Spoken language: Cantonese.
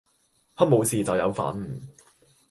黑武士就有份